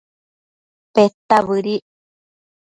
Peta bëdic